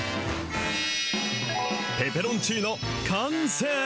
ペペロンチーノ、完成。